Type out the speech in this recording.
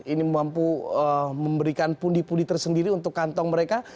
ini mampu memberikan pundi pundi tersendiri untuk kantong mereka